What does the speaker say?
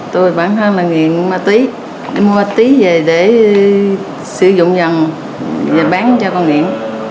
tôi bán thân là nghiện ma túy mua ma túy về để sử dụng dần và bán cho con nghiện